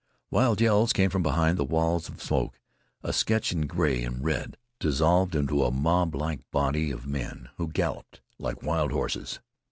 Wild yells came from behind the walls of smoke. A sketch in gray and red dissolved into a moblike body of men who galloped like wild horses.